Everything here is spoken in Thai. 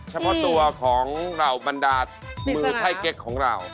เฉพาะตัวของเราบันดาลมือไทยเกรกของเรา